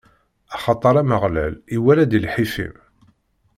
Axaṭer Ameɣlal iwala-d i lḥif-im.